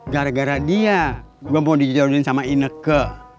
gara gara dia gue mau dijodohin sama ineke